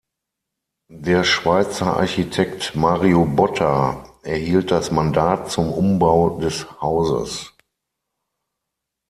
Der Schweizer Architekt Mario Botta erhielt das Mandat zum Umbau des Hauses.